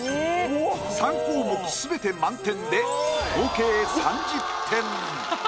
３項目すべて満点で合計３０点。